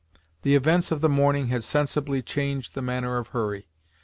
The events of the morning had sensibly changed the manner of Hurry.